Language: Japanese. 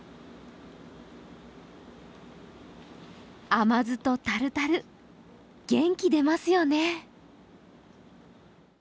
甘酢とタルタル、元気出ますよね。